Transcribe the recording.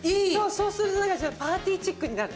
そうするとパーティーチックになる。